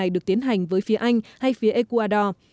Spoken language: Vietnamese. được tiến hành với phía anh hay phía ecuador